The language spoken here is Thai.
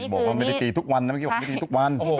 บอกว่าไม่ได้ตีทุกวันนะไม่ได้ตีทุกวันโอ้โห